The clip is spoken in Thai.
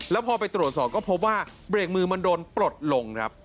แล้วพอไปตรวจสอบก็พบว่าเบรกมือมันโดนปลดลงครับ